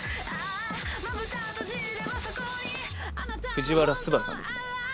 藤原昴さんですね。